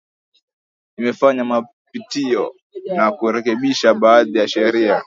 Imefanya mapitio na kurekebisha baadhii ya Sheria